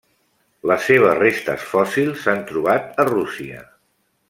Les seves restes fòssils s'han trobat a Rússia.